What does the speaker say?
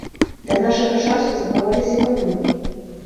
Да нашага часу захаваліся падмуркі.